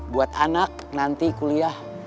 buat anak nanti kuliah